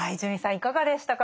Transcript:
いかがでしたか？